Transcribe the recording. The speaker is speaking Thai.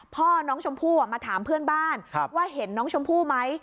พ่อน้องชมพู่มาถามเพื่อนบ้านว่าเห็นน้องชมพู่ไหม